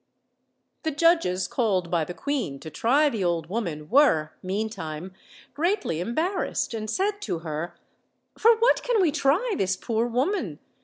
The judges called by the queen to try the old woman were, meantime, greatly embarrassed, and said to her: "For what can we try this poor woman?